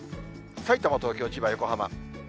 さいたま、東京、千葉、横浜。